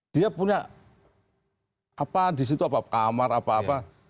dia punya apa di situ apa kamar apa apa